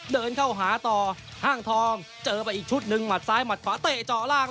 เดินเข้าหาต่อห้างทองเจอไปอีกชุดหนึ่งหมัดซ้ายหมัดขวาเตะเจาะล่าง